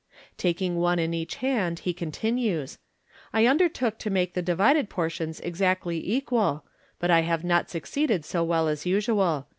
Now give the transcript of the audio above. Taking one in each hand, he continues, " I undertook to make the divided portions exactly equal, but I have not succeeded so well as usual.